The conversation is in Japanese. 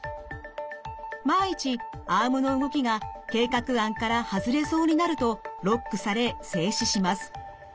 万一アームの動きが計画案から外れそうになるとロックされ制止します。